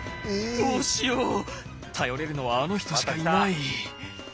どうしよう頼れるのはあの人しかいない。